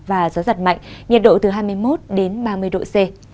và gió giật mạnh nhiệt độ từ hai mươi một đến ba mươi độ c